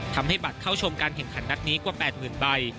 ทำให้บัตรเข้าชมการแข่งขันนัดนี้กว่า๘๐๐๐ใบ